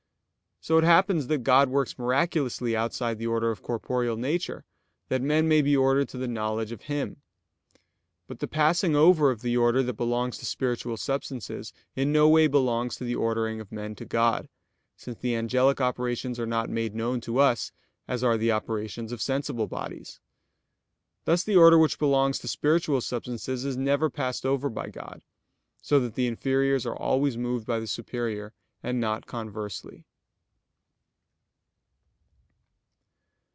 So it happens that God works miraculously outside the order of corporeal nature, that men may be ordered to the knowledge of Him. But the passing over of the order that belongs to spiritual substances in no way belongs to the ordering of men to God; since the angelic operations are not made known to us; as are the operations of sensible bodies. Thus the order which belongs to spiritual substances is never passed over by God; so that the inferiors are always moved by the superior, and not conversely.